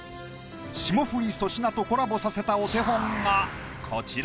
霜降り「粗品」とコラボさせたお手本がこちら。